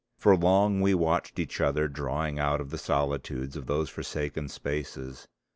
For long we watched each other drawing out of the solitudes of those forsaken spaces.